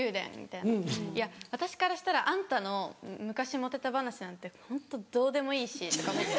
いや私からしたらあんたの昔モテた話なんてホントどうでもいいしとか思って。